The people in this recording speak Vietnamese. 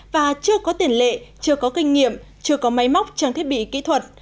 và chưa có tiền lệ chưa có kinh nghiệm chưa có máy móc trang thiết bị kỹ thuật